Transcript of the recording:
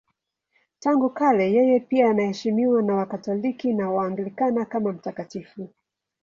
Tangu kale yeye pia anaheshimiwa na Wakatoliki na Waanglikana kama mtakatifu.